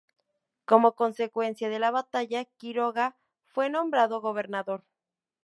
Como consecuencia de la batalla, Quiroga fue nombrado gobernador.